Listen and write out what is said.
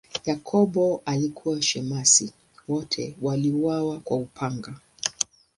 Yakobo alikuwa shemasi, wote waliuawa kwa upanga.